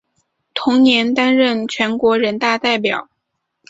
同年担任全国人大代表。